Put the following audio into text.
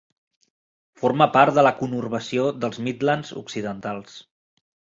Forma part de la conurbació dels Midlands Occidentals.